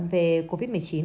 về biến thể omicron